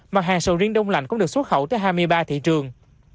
mặt hàng sầu riêng đông lạnh cũng được xuất khẩu tới hai mươi ba thị trường